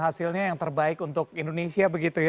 hasilnya yang terbaik untuk indonesia